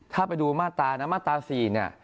ถ้าไปดูมาตรานะมาตรา๔เนี่ย